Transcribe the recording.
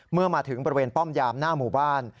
เมื่อมาถึงบริเวณป้อมยามหน้าหมู่บ้าน